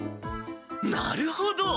なるほど！